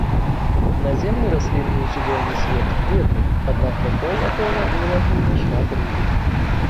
Наземны раслінны і жывёльны свет бедны, аднак вакол атола і ў лагуне шмат рыбы.